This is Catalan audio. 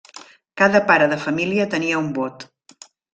Cada pare de família tenia un vot.